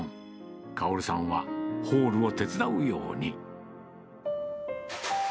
薫さんはホールを手伝うように。